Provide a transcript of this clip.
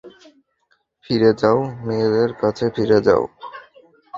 ফিরে যাও - মেয়েদের কাছে ফিরে যাও।